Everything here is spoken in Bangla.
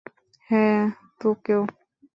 হ্যাঁ, তোকেও।